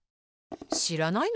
しらないの？